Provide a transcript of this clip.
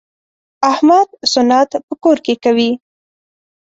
احمد سنت په کور کې کوي.